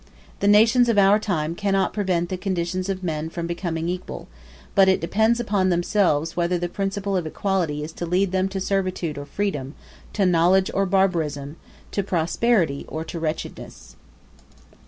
The nations of our time cannot prevent the conditions of men from becoming equal; but it depends upon themselves whether the principle of equality is to lead them to servitude or freedom, to knowledge or barbarism, to prosperity or to wretchedness.